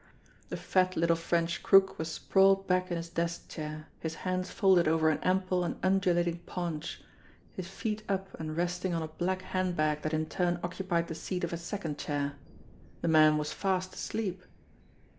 The fat little French crook was sprawled back in his desk chair, his hands folded over an ample and undulating paunch, his feet up and resting on a black handbag that in turn occupied the seat of a second chair. The man was fast asleep.